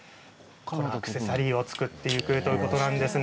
アクセサリーを作っていくということなんです。